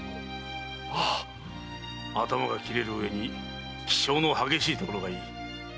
頭がきれるうえに気性の激しいところがいい。